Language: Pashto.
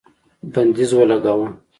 بندیز ولګاوه